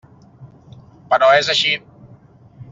Però és així.